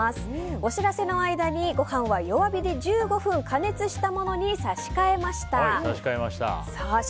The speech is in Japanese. お知らせの間に、ご飯は弱火で１５分加熱したものに差し替えました。